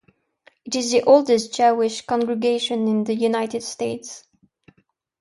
It is the oldest Jewish congregation in the United States.